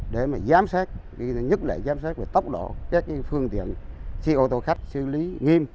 để giám sát nhất lệ giám sát tốc độ các phương tiện si ô tô khách xử lý nghiêm